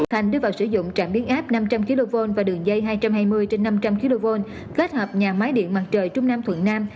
trạm biến áp năm trăm linh kv và đường dây hai trăm hai mươi kv kết hợp với nhà máy điện mặt trời trung nam thuận nam